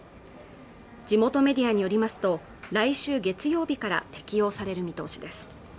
地元メディアによりますと来週月曜日から適用される見通しです